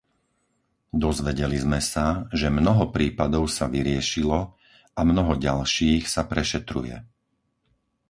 Dozvedeli sme sa, že mnoho prípadov sa vyriešilo a mnoho ďalších sa prešetruje.